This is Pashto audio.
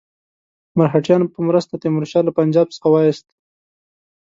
مرهټیانو په مرسته تیمور شاه له پنجاب څخه وایست.